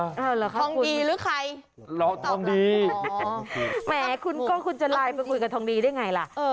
เออเหรอครับคุณหรือใครตอบล่ะอ๋อคุณก็คุณจะไลน์ไปคุยกับทองดีได้ไงล่ะ